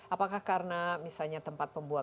apakah karena misalnya tempat pembuatan